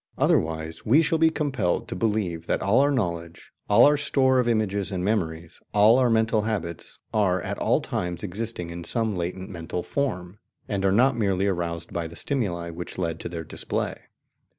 Otherwise we shall be compelled to believe that all our knowledge, all our store of images and memories, all our mental habits, are at all times existing in some latent mental form, and are not merely aroused by the stimuli which lead to their display.